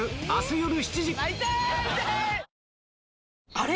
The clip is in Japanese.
あれ？